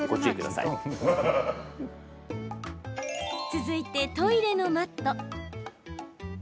続いて、トイレのマット。